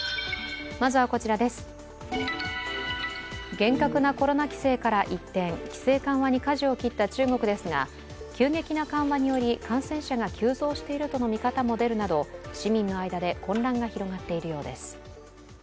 厳格なコロナ規制から一転、規制緩和にかじを切った中国ですが急激な緩和により感染者が急増しているとの見方も出るなど、市民の間で混乱が広がっているようです。